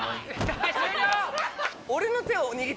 終了！